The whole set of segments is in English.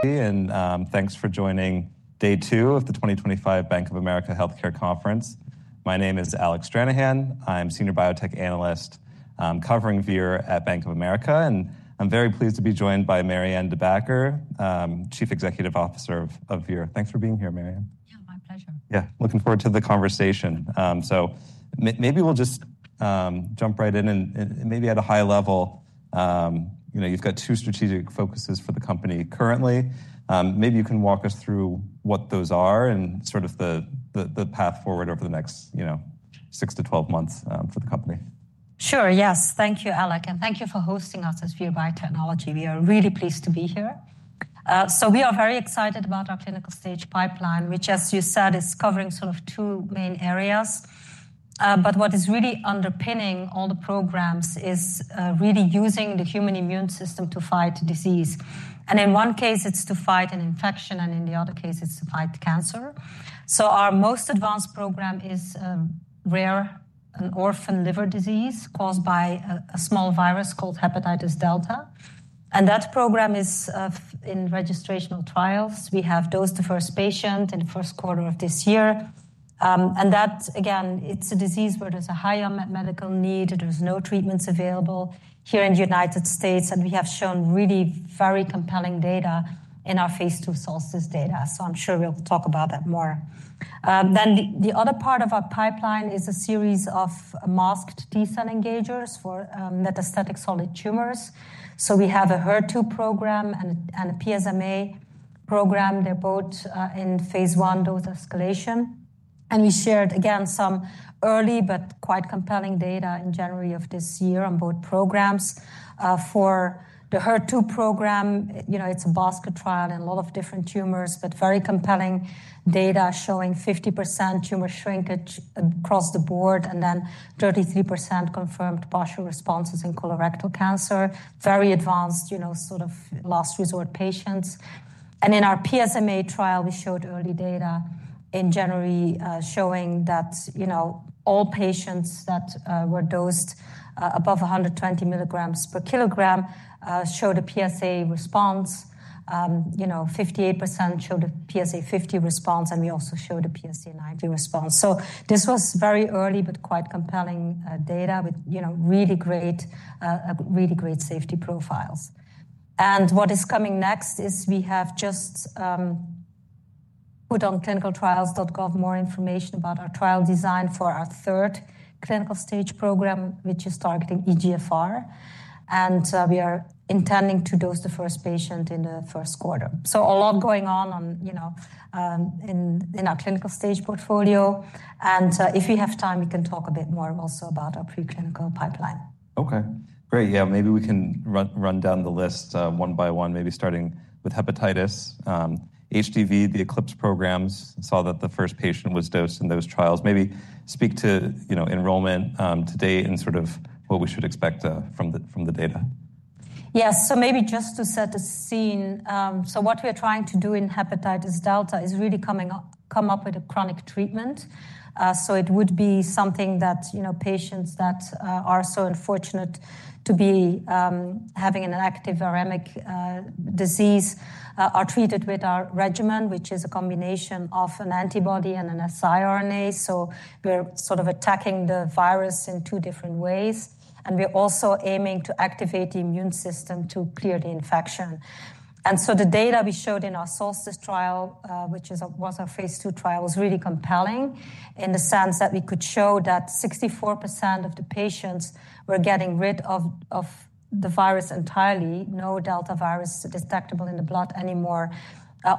Thanks for joining Day 2 of the 2025 Bank of America Healthcare Conference. My name is Alec Stranahan. I'm Senior Biotech Analyst covering Vir at Bank of America, and I'm very pleased to be joined by Marianne De Backer, Chief Executive Officer of Vir. Thanks for being here, Marianne. Yeah, my pleasure. Yeah, looking forward to the conversation. Maybe we'll just jump right in, and maybe at a high level, you've got two strategic focuses for the company currently. Maybe you can walk us through what those are and sort of the path forward over the next 6 months-12 months for the company. Sure, yes. Thank you, Alec, and thank you for hosting us at Vir Biotechnology. We are really pleased to be here. We are very excited about our clinical stage pipeline, which, as you said, is covering sort of two main areas. What is really underpinning all the programs is really using the human immune system to fight disease. In one case, it's to fight an infection, and in the other case, it's to fight cancer. Our most advanced program is rare and orphan liver disease caused by a small virus called Hepatitis Delta. That program is in registrational trials. We have dosed the first patient in the first quarter of this year. That, again, it's a disease where there's a high medical need. There's no treatments available here in the United States and we have shown really very compelling data in our phase 2 SOLSTICE data. I'm sure we'll talk about that more. The other part of our pipeline is a series of masked T-cell engagers for metastatic solid tumors. We have a HER2 program and a PSMA program. They're bothh in phase 1 dose escalation. We shared, again, some early but quite compelling data in January of this year on both programs. For the HER2 program, it's a BASCA trial in a lot of different tumors, but very compelling data showing 50% tumor shrinkage across the board and 33% confirmed partial responses in colorectal cancer. Very advanced, sort of last resort patients. In our PSMA trial, we showed early data in January showing that all patients that were dosed above 120 mg per kg showed a PSA response. 58% showed a PSA 50 response, and we also showed a PSA 90 response. This was very early but quite compelling data with really great, really great safety profiles. What is coming next is we have just put on clinicaltrials.gov more information about our trial design for our third clinical stage program, which is targeting EGFR. We are intending to dose the first patient in the first quarter. A lot is going on in our clinical stage portfolio. If we have time, we can talk a bit more also about our preclinical pipeline. Okay, great. Yeah, maybe we can run down the list one by one, maybe starting with hepatitis, HDV, the ECLIPSE programs. Saw that the first patient was dosed in those trials. Maybe speak to enrollment today and sort of what we should expect from the data. Yes, maybe just to set the scene. What we're trying to do in Hepatitis Delta is really come up with a chronic treatment. It would be something that patients that are so unfortunate to be having an active viremic disease are treated with our regimen, which is a combination of an antibody and an siRNA. We're sort of attacking the virus in two different ways. We're also aiming to activate the immune system to clear the infection. The data we showed in our SOLSTICE trial, which was our phase 2trial, was really compelling in the sense that we could show that 64% of the patients were getting rid of the virus entirely. No Delta virus detectable in the blood anymore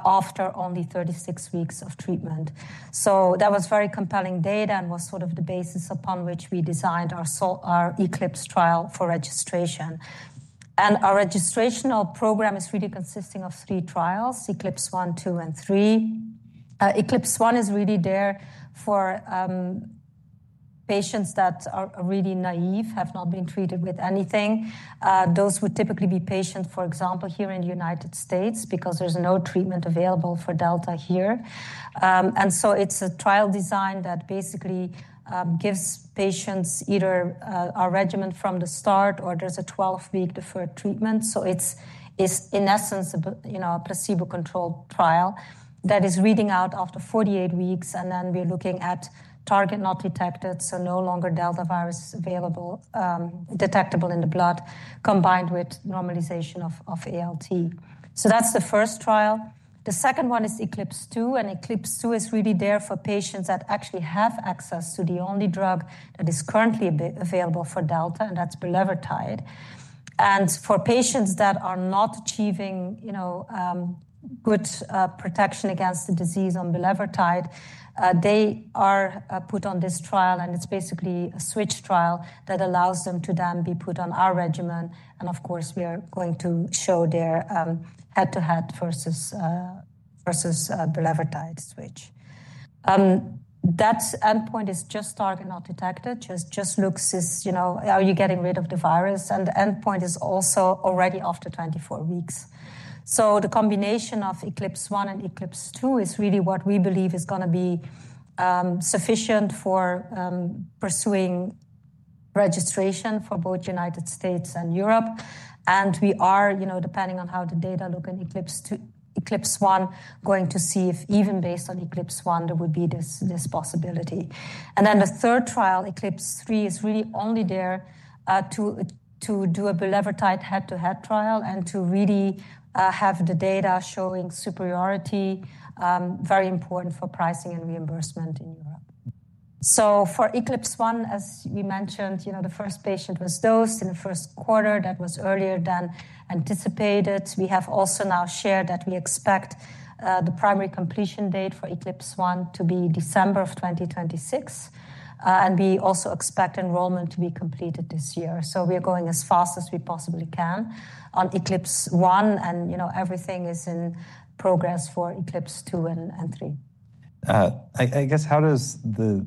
after only 36 weeks of treatment. That was very compelling data and was sort of the basis upon which we designed our ECLIPSE trial for registration. Our registrational program is really consisting of three trials: ECLIPSE 1, 2, and 3. ECLIPSE 1 is really there for patients that are really naive, have not been treated with anything. Those would typically be patients, for example, here in the U.S. because there is no treatment available for Delta here. It is a trial design that basically gives patients either our regimen from the start or there is a 12-week deferred treatment. It is, in essence, a placebo-controlled trial that is reading out after 48 weeks, and then we are looking at target not detected, so no longer Delta virus available detectable in the blood, combined with normalization of ALT. That is the first trial. The second one is Eclipse two, and Eclipse two is really there for patients that actually have access to the only drug that is currently available for Delta, and that's bulevirtide. For patients that are not achieving good protection against the disease on bulevirtide, they are put on this trial, and it's basically a switch trial that allows them to then be put on our regimen. Of course, we are going to show their head-to-head versus bulevirtide switch. That endpoint is just target not detected. Just looks is, are you getting rid of the virus? The endpoint is also already after 24 weeks. The combination of Eclipse 1 and Eclipse 2 is really what we believe is going to be sufficient for pursuing registration for both the United States and Europe. We are, depending on how the data look in ECLIPSE 1, going to see if even based on ECLIPSE 1, there would be this possibility. The third trial, ECLIPSE 3, is really only there to do a bulevirtide head-to-head trial and to really have the data showing superiority, very important for pricing and reimbursement in Europe. For ECLIPSE 1, as we mentioned, the first patient was dosed in the first quarter. That was earlier than anticipated. We have also now shared that we expect the primary completion date for ECLIPSE 1 to be December of 2026. We also expect enrollment to be completed this year. We are going as fast as we possibly can on ECLIPSE 1, and everything is in progress for ECLIPSE 2 and 3. I guess, how does the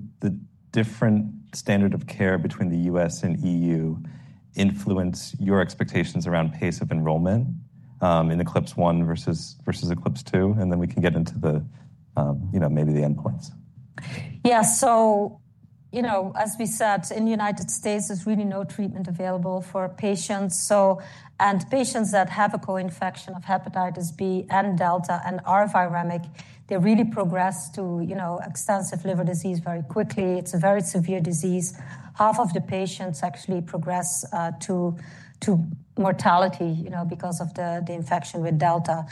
different standard of care between the U.S. and EU influence your expectations around pace of enrollment in ECLIPSE 1 versus ECLIPSE 2? And then we can get into maybe the endpoints. Yeah, as we said, in the U.S., there's really no treatment available for patients. Patients that have a co-infection of hepatitis B and Delta and are viremic really progress to extensive liver disease very quickly. It's a very severe disease. Half of the patients actually progress to mortality because of the infection with Delta.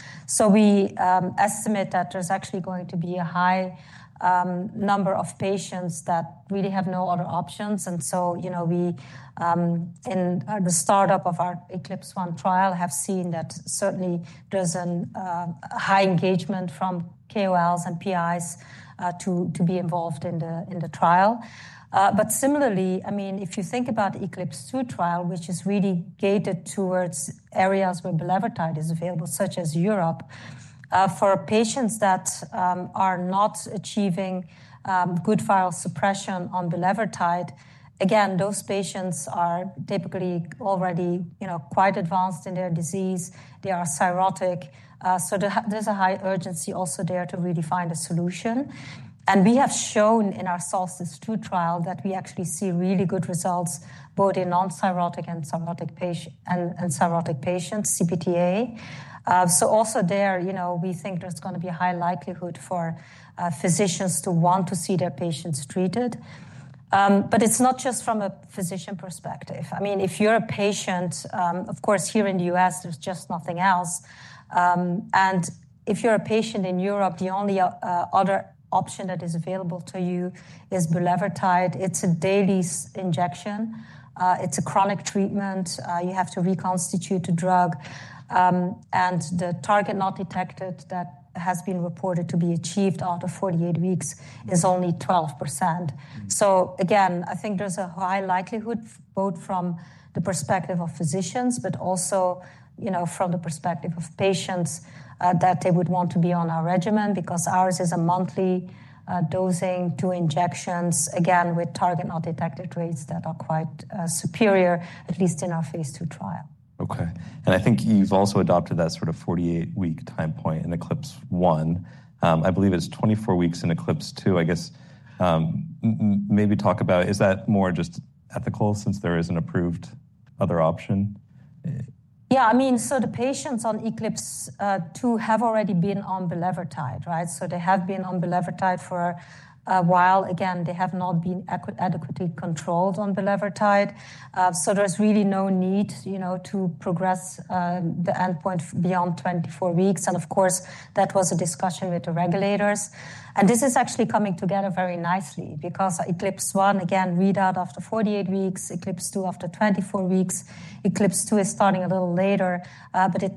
We estimate that there's actually going to be a high number of patients that really have no other options. In the startup of our ECLIPSE 1 trial, we have seen that certainly there's a high engagement from KOLs and PIs to be involved in the trial. But similarly, I mean, if you think about the ECLIPSE 2 trial, which is really gated towards areas where bulevirtide is available, such as Europe, for patients that are not achieving good viral suppression on bulevirtide, again, those patients are typically already quite advanced in their disease. They are cirrhotic. There is a high urgency also there to really find a solution. We have shown in our SOLSTICE phase II trial that we actually see really good results both in non-cirrhotic and cirrhotic patients, CPT A. Also there, we think there is going to be a high likelihood for physicians to want to see their patients treated. It is not just from a physician perspective. I mean, if you are a patient, of course, here in the U.S., there is just nothing else. If you are a patient in Europe, the only other option that is available to you is bulevirtide. It's a daily injection. It's a chronic treatment. You have to reconstitute the drug. The target not detected that has been reported to be achieved after 48 weeks is only 12%. I think there's a high likelihood both from the perspective of physicians, but also from the perspective of patients that they would want to be on our regimen because ours is a monthly dosing, two injections, with target not detected rates that are quite superior, at least in our phase 2 trial. Okay. I think you've also adopted that sort of 48-week time point in ECLIPSE 1. I believe it's 24 weeks in ECLIPSE 2. I guess maybe talk about, is that more just ethical since there is an approved other option? Yeah, I mean, the patients on Eclipse 2 have already been on bulevirtide, right? They have been on bulevirtide for a while. Again, they have not been adequately controlled on bulevirtide. There is really no need to progress the endpoint beyond 24 weeks. Of course, that was a discussion with the regulators. This is actually coming together very nicely because Eclipse 1, again, readout after 48 weeks. Eclipse 2, after 24 weeks. Eclipse 2 is starting a little later, but it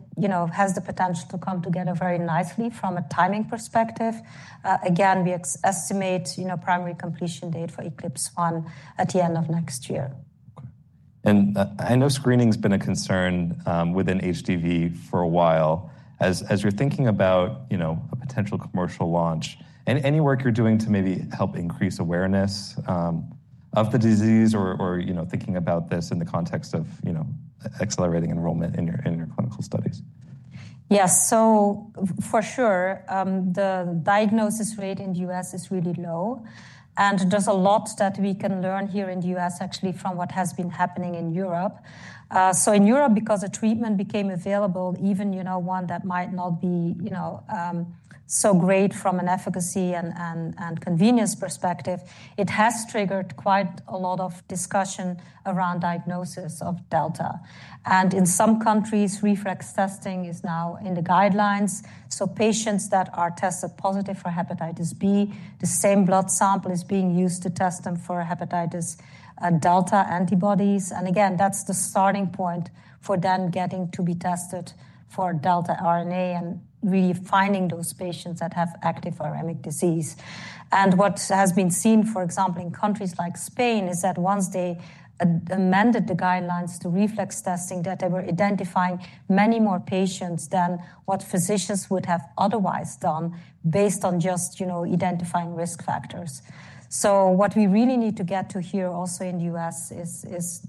has the potential to come together very nicely from a timing perspective. Again, we estimate primary completion date for Eclipse 1 at the end of next year. I know screening has been a concern within HDV for a while. As you're thinking about a potential commercial launch, any work you're doing to maybe help increase awareness of the disease or thinking about this in the context of accelerating enrollment in your clinical studies? Yes, for sure, the diagnosis rate in the U.S. is really low. There is a lot that we can learn here in the U.S. actually from what has been happening in Europe. In Europe, because a treatment became available, even one that might not be so great from an efficacy and convenience perspective, it has triggered quite a lot of discussion around diagnosis of Delta. In some countries, reflex testing is now in the guidelines. Patients that are tested positive for hepatitis B, the same blood sample is being used to test them for hepatitis Delta antibodies. Again, that is the starting point for them getting to be tested for Delta RNA and really finding those patients that have active viremic disease. What has been seen, for example, in countries like Spain, is that once they amended the guidelines to reflex testing, they were identifying many more patients than what physicians would have otherwise done based on just identifying risk factors. What we really need to get to here also in the U.S. is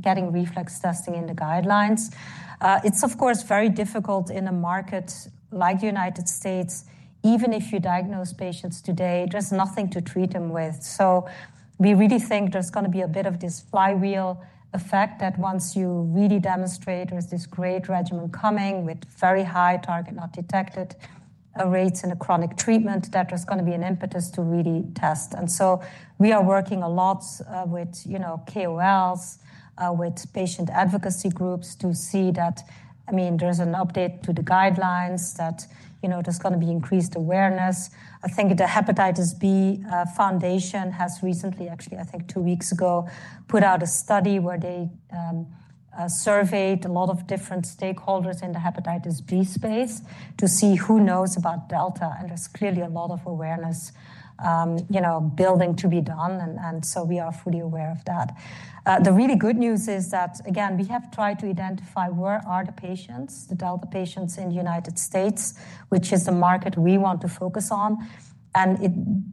getting reflex testing in the guidelines. It is, of course, very difficult in a market like the United States. Even if you diagnose patients today, there is nothing to treat them with. We really think there is going to be a bit of this flywheel effect that once you really demonstrate there is this great regimen coming with very high target not detected rates and a chronic treatment, there is going to be an impetus to really test. We are working a lot with KOLs, with patient advocacy groups to see that, I mean, there's an update to the guidelines that there's going to be increased awareness. I think the Hepatitis B Foundation has recently, actually, I think two weeks ago, put out a study where they surveyed a lot of different stakeholders in the hepatitis B space to see who knows about Delta. There's clearly a lot of awareness building to be done. We are fully aware of that. The really good news is that, again, we have tried to identify where are the patients, the Delta patients in the United States, which is the market we want to focus on.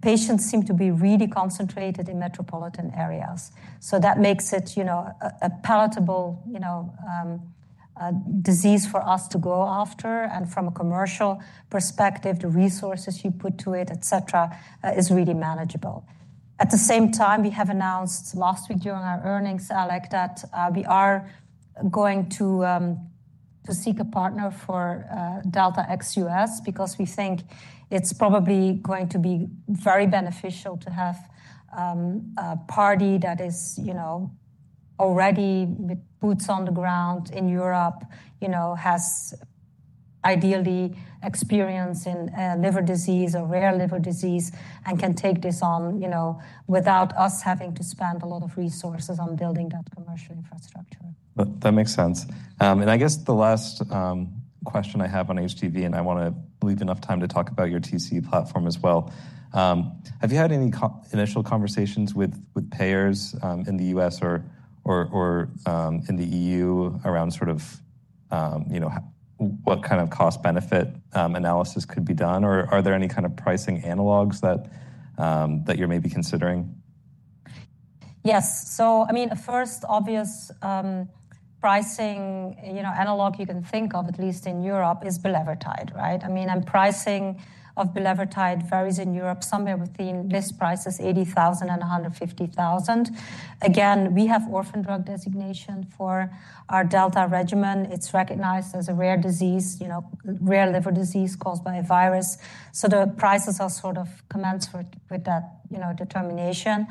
Patients seem to be really concentrated in metropolitan areas. That makes it a palatable disease for us to go after. From a commercial perspective, the resources you put to it, et cetera, is really manageable. At the same time, we have announced last week during our earnings, Alec, that we are going to seek a partner for Delta ex-U.S. because we think it's probably going to be very beneficial to have a party that is already with boots on the ground in Europe, has ideally experience in liver disease or rare liver disease, and can take this on without us having to spend a lot of resources on building that commercial infrastructure. That makes sense. I guess the last question I have on HDV, and I want to leave enough time to talk about your TCE platform as well. Have you had any initial conversations with payers in the U.S. or in the EU around sort of what kind of cost-benefit analysis could be done? Are there any kind of pricing analogs that you're maybe considering? Yes. I mean, a first obvious pricing analog you can think of, at least in Europe, is bulevirtide, right? I mean, and pricing of bulevirtide varies in Europe somewhere within list prices 80,000- 150,000. Again, we have orphan drug designation for our Delta regimen. It's recognized as a rare disease, rare liver disease caused by a virus. The prices are sort of commensurate with that determination.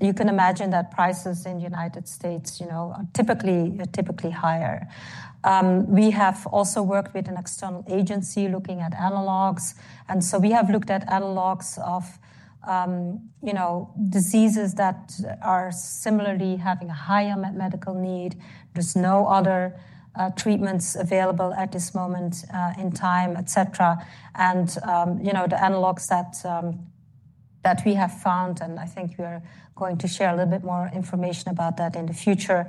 You can imagine that prices in the United States are typically higher. We have also worked with an external agency looking at analogs. We have looked at analogs of diseases that are similarly having a higher medical need. There's no other treatments available at this moment in time, et cetera. The analogs that we have found, and I think we are going to share a little bit more information about that in the future,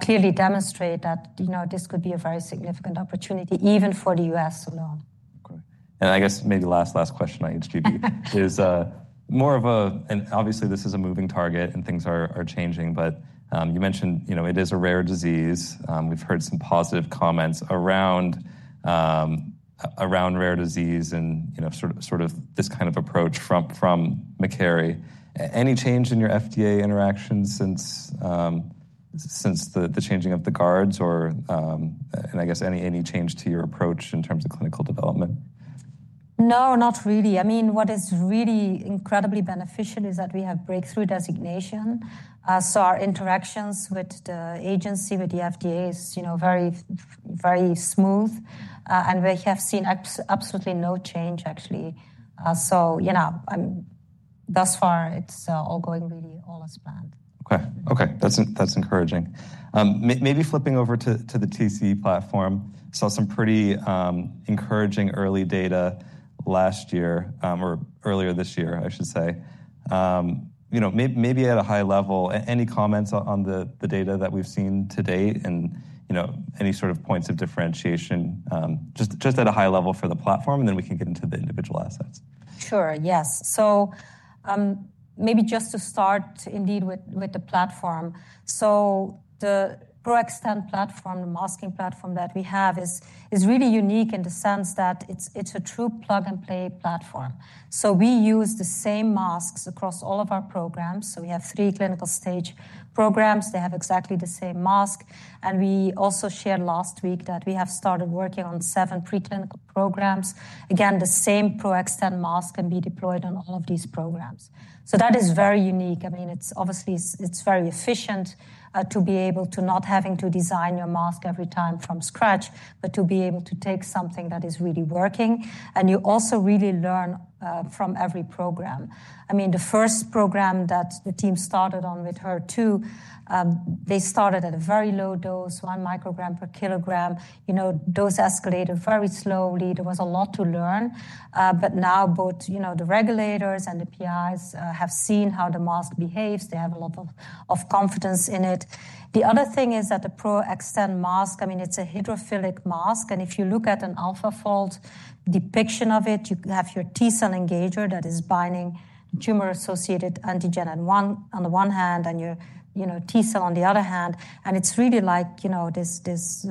clearly demonstrate that this could be a very significant opportunity even for the U.S. alone. I guess maybe last, last question on HDV is more of a, and obviously this is a moving target and things are changing, but you mentioned it is a rare disease. We've heard some positive comments around rare disease and sort of this kind of approach from McCarey. Any change in your FDA interactions since the changing of the guards, or, and I guess, any change to your approach in terms of clinical development? No, not really. I mean, what is really incredibly beneficial is that we have breakthrough designation. So our interactions with the agency, with the FDA, is very, very smooth. And we have seen absolutely no change, actually. So thus far, it's all going really all as planned. Okay. Okay. That's encouraging. Maybe flipping over to the TCE platform. Saw some pretty encouraging early data last year or earlier this year, I should say. Maybe at a high level, any comments on the data that we've seen to date and any sort of points of differentiation just at a high level for the platform, and then we can get into the individual assets. Sure. Yes. Maybe just to start indeed with the platform. The ProX10 platform, the masking platform that we have, is really unique in the sense that it's a true plug and play platform. We use the same masks across all of our programs. We have three clinical stage programs. They have exactly the same mask. We also shared last week that we have started working on seven preclinical programs. Again, the same ProX10 mask can be deployed on all of these programs. That is very unique. I mean, obviously, it's very efficient to be able to not have to design your mask every time from scratch, but to be able to take something that is really working. You also really learn from every program. I mean, the first program that the team started on with HER2, they started at a very low dose, one microgram per kilogram. Dose escalated very slowly. There was a lot to learn. Now both the regulators and the PIs have seen how the mask behaves. They have a lot of confidence in it. The other thing is that the ProX10 mask, I mean, it is a hydrophilic mask. If you look at an AlphaFold depiction of it, you have your T-cell engager that is binding tumor-associated antigen on the one hand and your T-cell on the other hand. It is really like this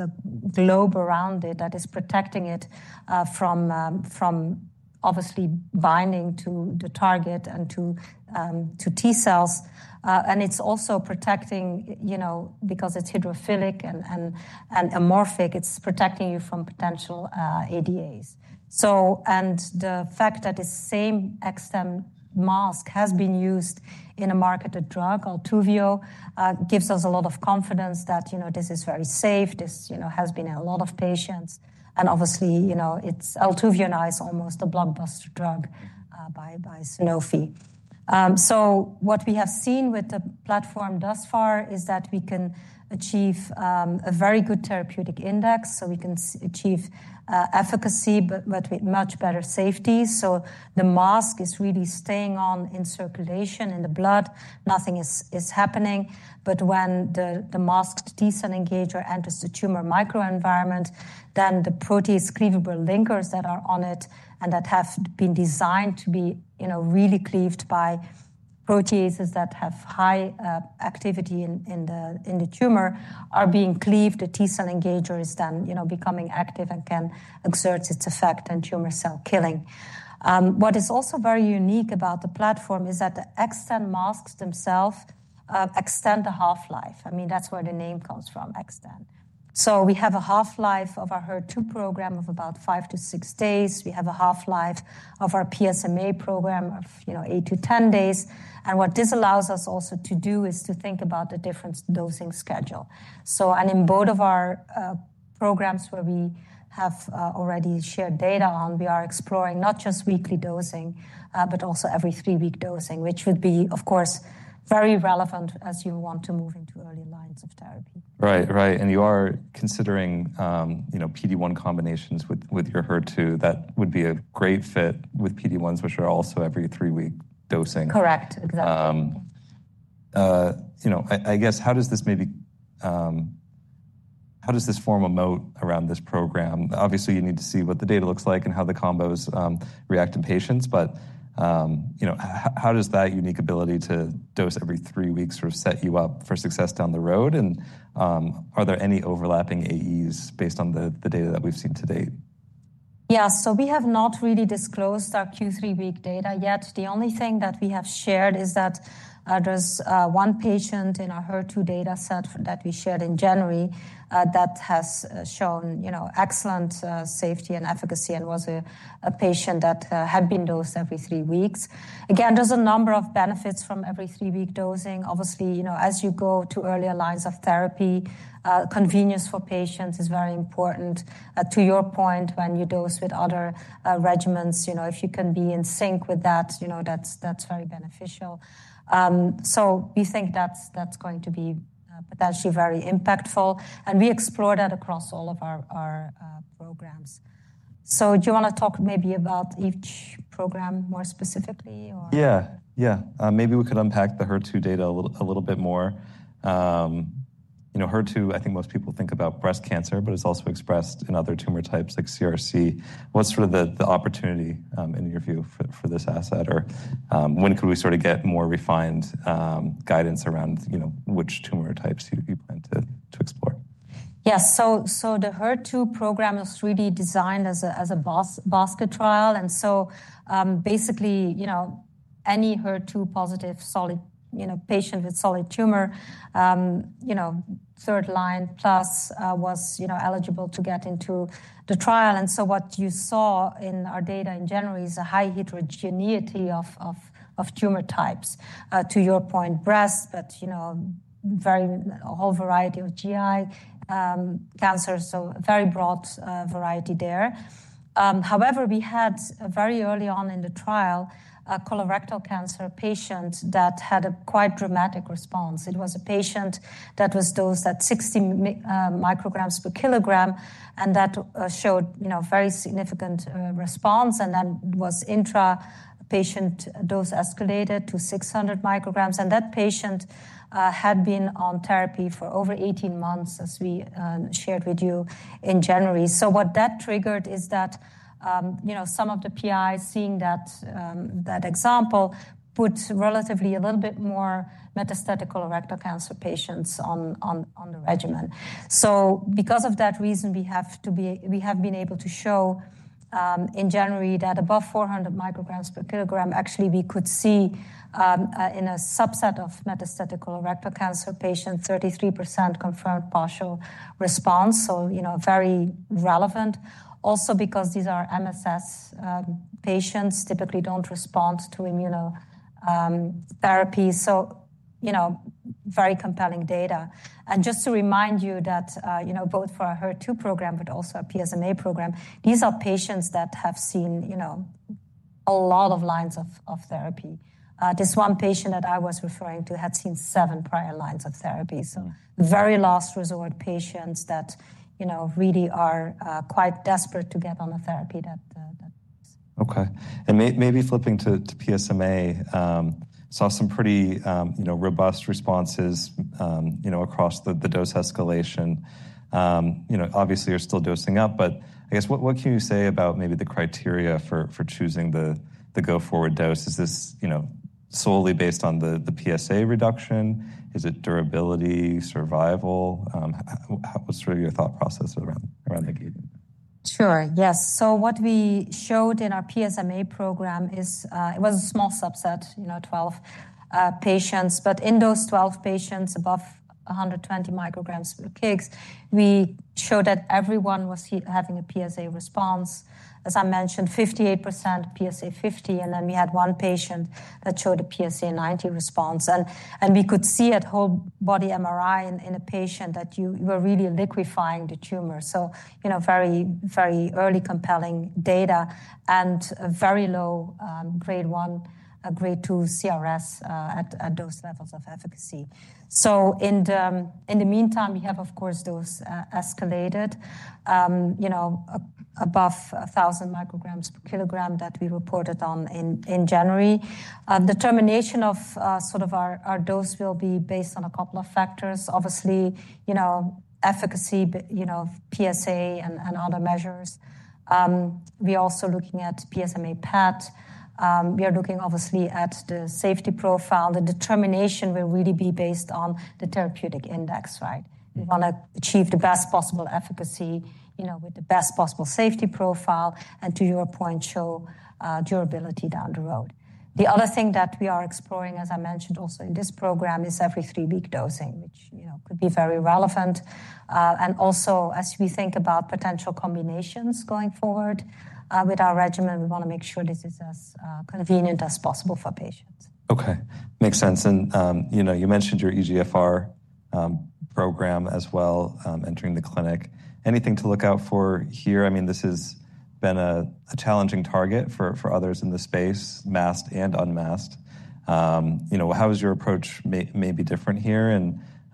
globe around it that is protecting it from obviously binding to the target and to T-cells. It is also protecting because it is hydrophilic and amorphic, it is protecting you from potential ADAs. The fact that this same XTEN mask has been used in a marketed drug, Altuvio, gives us a lot of confidence that this is very safe. This has been in a lot of patients. Obviously, it's Altuvio, almost a blockbuster drug by Sanofi. What we have seen with the platform thus far is that we can achieve a very good therapeutic index. We can achieve efficacy, but much better safety. The mask is really staying on in circulation in the blood. Nothing is happening. When the masked T-cell engager enters the tumor microenvironment, the protease cleavable linkers that are on it and that have been designed to be really cleaved by proteases that have high activity in the tumor are being cleaved. The T-cell engager is then becoming active and can exert its effect on tumor cell killing. What is also very unique about the platform is that the X10 masks themselves extend the half-life. I mean, that's where the name comes from, X10. We have a half-life of our HER2 program of about five to six days. We have a half-life of our PSMA program of eight to ten days. What this allows us also to do is to think about the different dosing schedule. In both of our programs where we have already shared data on, we are exploring not just weekly dosing, but also every three-week dosing, which would be, of course, very relevant as you want to move into early lines of therapy. Right, right. You are considering PD-1 combinations with your HER2. That would be a great fit with PD-1s, which are also every three-week dosing. Correct. Exactly. I guess how does this maybe, how does this form a moat around this program? Obviously, you need to see what the data looks like and how the combos react in patients. How does that unique ability to dose every three weeks sort of set you up for success down the road? Are there any overlapping AEs based on the data that we've seen to date? Yeah. So we have not really disclosed our Q3 week data yet. The only thing that we have shared is that there's one patient in our HER2 data set that we shared in January that has shown excellent safety and efficacy and was a patient that had been dosed every three weeks. Again, there's a number of benefits from every three-week dosing. Obviously, as you go to earlier lines of therapy, convenience for patients is very important. To your point, when you dose with other regimens, if you can be in sync with that, that's very beneficial. We think that's going to be potentially very impactful. We explore that across all of our programs. Do you want to talk maybe about each program more specifically? Yeah, yeah. Maybe we could unpack the HER2 data a little bit more. HER2, I think most people think about breast cancer, but it's also expressed in other tumor types like CRC. What's sort of the opportunity in your view for this asset? Or when could we sort of get more refined guidance around which tumor types you plan to explore Yes. The HER2 program was really designed as a basket trial. Basically, any HER2 positive patient with solid tumor, third line plus, was eligible to get into the trial. What you saw in our data in January is a high heterogeneity of tumor types. To your point, breast, but a whole variety of GI cancers. A very broad variety there. However, we had very early on in the trial colorectal cancer patients that had a quite dramatic response. It was a patient that was dosed at 60 mcg per kg, and that showed very significant response. Then was intra patient dose escalated to 600 mcg. That patient had been on therapy for over 18 months, as we shared with you in January. What that triggered is that some of the PIs seeing that example put relatively a little bit more metastatic colorectal cancer patients on the regimen. Because of that reason, we have been able to show in January that above 400 mcg per kg, actually we could see in a subset of metastatic colorectal cancer patients, 33% confirmed partial response. Very relevant. Also because these are MSS patients, typically do not respond to immunotherapy. Very compelling data. Just to remind you that both for our HER2 program, but also our PSMA program, these are patients that have seen a lot of lines of therapy. This one patient that I was referring to had seen seven prior lines of therapy. Very last resort patients that really are quite desperate to get on a therapy that. Okay. Maybe flipping to PSMA, saw some pretty robust responses across the dose escalation. Obviously, you're still dosing up, but I guess what can you say about maybe the criteria for choosing the go-forward dose? Is this solely based on the PSA reduction? Is it durability, survival? What's sort of your thought process around that? Sure. Yes. What we showed in our PSMA program is it was a small subset, 12 patients. In those 12 patients above 120 micrograms per kilogram, we showed that everyone was having a PSA response. As I mentioned, 58% PSA 50. We had one patient that showed a PSA 90 response. We could see at whole body MRI in a patient that you were really liquefying the tumor. Very, very early compelling data and very low grade 1, grade 2 CRS at those levels of efficacy. In the meantime, we have, of course, those escalated above 1,000 mcg per kg that we reported on in January. The termination of sort of our dose will be based on a couple of factors. Obviously, efficacy, PSA and other measures. We are also looking at PSMA PET. We are looking obviously at the safety profile. The determination will really be based on the therapeutic index, right? We want to achieve the best possible efficacy with the best possible safety profile. To your point, show durability down the road. The other thing that we are exploring, as I mentioned also in this program, is every three-week dosing, which could be very relevant. Also, as we think about potential combinations going forward with our regimen, we want to make sure this is as convenient as possible for patients. Okay. Makes sense. You mentioned your EGFR program as well entering the clinic. Anything to look out for here? I mean, this has been a challenging target for others in the space, masked and unmasked. How is your approach maybe different here?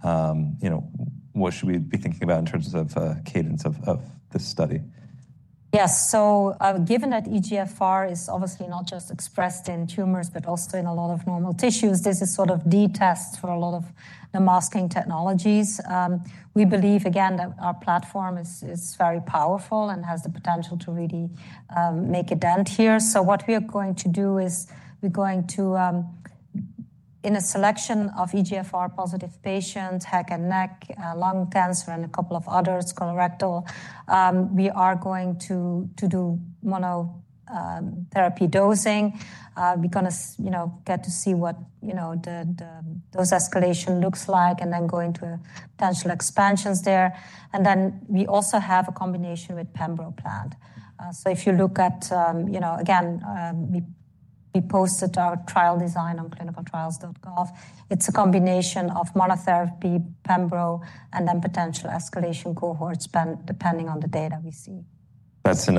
What should we be thinking about in terms of cadence of this study? Yes. Given that EGFR is obviously not just expressed in tumors, but also in a lot of normal tissues, this is sort of a test for a lot of the masking technologies. We believe, again, that our platform is very powerful and has the potential to really make a dent here. What we are going to do is we're going to, in a selection of EGFR positive patients, HCC and NSCLC, lung cancer, and a couple of others, colorectal, we are going to do monotherapy dosing. We're going to get to see what the dose escalation looks like and then go into potential expansions there. We also have a combination with Keytruda. If you look at, again, we posted our trial design on clinicaltrials.gov. It's a combination of monotherapy, Keytruda, and then potential escalation cohorts depending on the data we see. That's in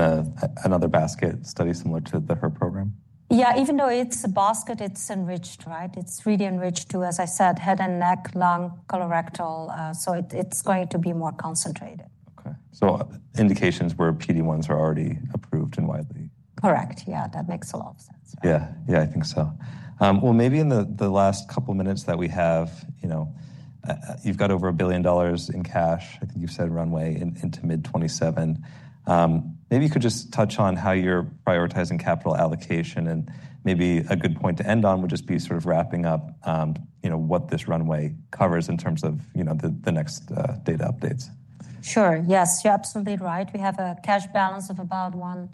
another basket study similar to the HER2 program? Yeah. Even though it's a basket, it's enriched, right? It's really enriched too, as I said, head and neck, lung, colorectal. So it's going to be more concentrated. Okay. So indications where PD-1s are already approved and widely. Correct. Yeah. That makes a lot of sense. Yeah. Yeah, I think so. Maybe in the last couple of minutes that we have, you've got over $1 billion in cash. I think you've said runway into mid-2027. Maybe you could just touch on how you're prioritizing capital allocation. Maybe a good point to end on would just be sort of wrapping up what this runway covers in terms of the next data updates. Sure. Yes. You're absolutely right. We have a cash balance of about $1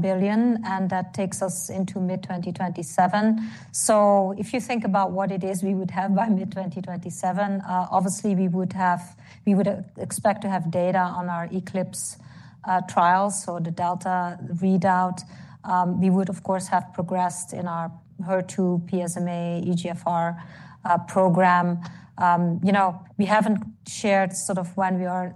billion. That takes us into mid-2027. If you think about what it is we would have by mid-2027, obviously, we would expect to have data on our ECLIPSE trials, so the Delta readout. We would, of course, have progressed in our HER2, PSMA, EGFR program. We haven't shared sort of when we are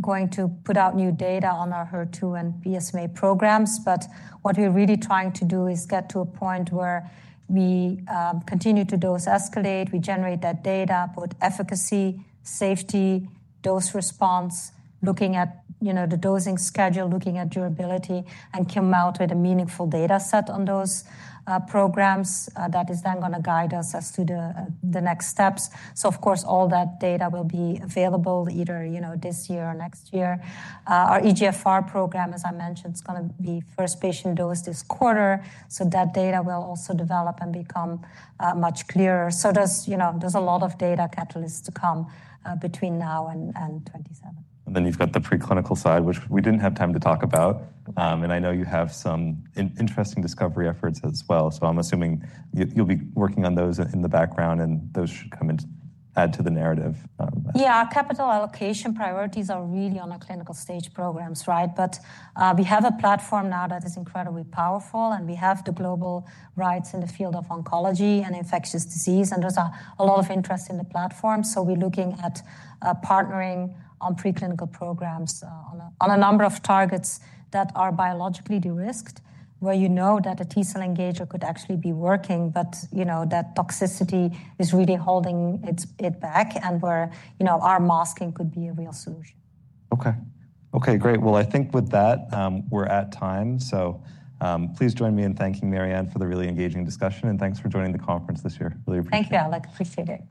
going to put out new data on our HER2 and PSMA programs. What we're really trying to do is get to a point where we continue to dose escalate. We generate that data, both efficacy, safety, dose response, looking at the dosing schedule, looking at durability, and come out with a meaningful data set on those programs that is then going to guide us as to the next steps. Of course, all that data will be available either this year or next year. Our EGFR program, as I mentioned, is going to be first patient dose this quarter. That data will also develop and become much clearer. There is a lot of data catalysts to come between now and 2027. You have the preclinical side, which we did not have time to talk about. I know you have some interesting discovery efforts as well. I am assuming you will be working on those in the background, and those should come and add to the narrative. Yeah. Capital allocation priorities are really on our clinical stage programs, right? We have a platform now that is incredibly powerful. We have the global rights in the field of oncology and infectious disease. There is a lot of interest in the platform. We are looking at partnering on preclinical programs on a number of targets that are biologically de-risked, where you know that a T-cell engager could actually be working, but that toxicity is really holding it back, and where our masking could be a real solution. Okay. Okay. Great. I think with that, we're at time. Please join me in thanking Marianne for the really engaging discussion. Thanks for joining the conference this year. Really appreciate it. Thank you, Alex. Appreciate it.